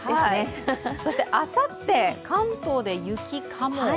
あさって、関東で雪かも？